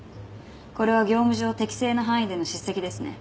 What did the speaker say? これは業務上適正な範囲での叱責ですね。